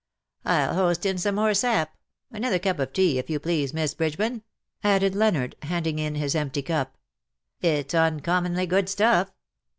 I'll hoist in some more sap — another cup of tea, if you please. Miss Bridgeman," added Leonard, handing in his empty cup. ^^ It's uncommonly good stuff.